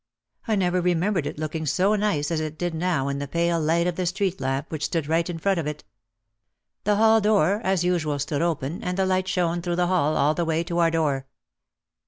I never re membered it looking so nice as it did now in the pale light of the street lamp which stood right in front of it. The hall door as usual stood open and the light shone through the hall all the way to our door.